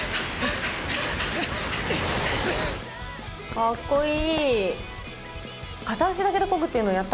かっこいい！